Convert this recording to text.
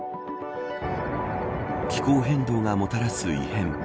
気候変動がもたらす異変。